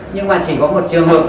nhưng mà chỉ có một trường hợp